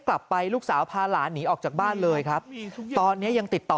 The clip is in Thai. ไปลูกสาวพาหลานหนีออกจากบ้านเลยครับตอนนี้ยังติดต่อ